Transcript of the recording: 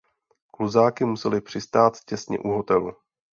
Kluzáky musely přistát těsně u hotelu.